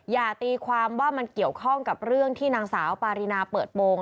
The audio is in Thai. อย่าตีความว่ามันเกี่ยวข้องกับเรื่องที่นางสาวปารีนาเปิดโปรง